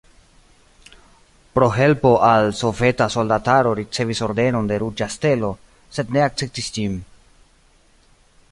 Pro helpo al soveta soldataro ricevis Ordenon de Ruĝa Stelo, sed ne akceptis ĝin.